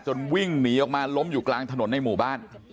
วิ่งหนีออกมาล้มอยู่กลางถนนในหมู่บ้าน